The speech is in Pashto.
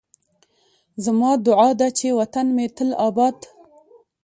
زما دعا ده چې وطن مې تل اباد